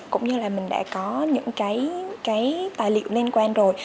cũng như là mình đã có những cái tài liệu liên quan rồi